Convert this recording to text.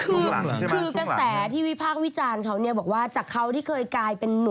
คือกระแสที่วิทยาภาควิจารณ์เขาบอกว่าจากเขาที่กลายเป็นหนุ่ม